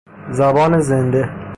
زبان زنده